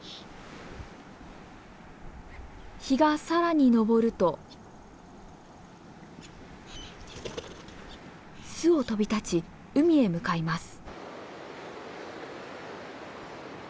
日が更に昇ると巣を飛び立ち海へ向かいます。